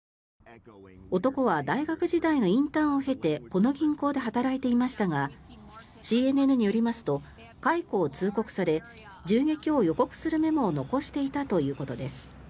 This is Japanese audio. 男は大学時代のインターンを経てこの銀行で働いていましたがＣＮＮによりますと解雇を通告され銃撃を予告するメモを残していたということです。